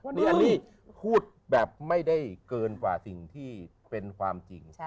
นี่อันนี้พูดแบบไม่ได้เกินกว่าสิ่งที่เป็นความจริง